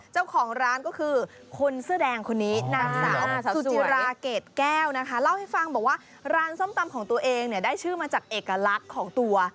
เจ้าของร้านก็คือคนเสื้อแดงคนนี้นางสาวสุจิราเกรดแก้วนะคะเล่าให้ฟังบอกว่าร้านส้มตำของตัวเองเนี่ยได้ชื่อมาจากเอกลักษณ์ของตัว